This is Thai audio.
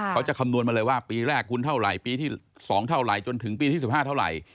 คำนวณมาเลยว่าปีแรกคุณเท่าไหร่ปีที่๒เท่าไหร่จนถึงปีที่๑๕เท่าไหร่